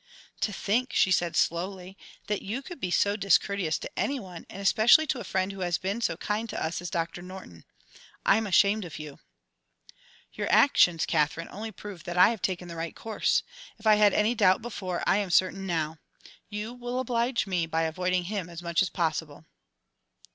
"To think," she said slowly, "that you could be so discourteous to any one, and especially to a friend who has been so kind to us as Doctor Norton. I'm ashamed of you." "Your actions, Katherine, only prove that I have taken the right course. If I had any doubt before, I am certain now. You will oblige me by avoiding him as much as possible."